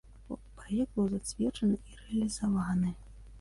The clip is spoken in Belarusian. Праект быў зацверджаны і рэалізаваны.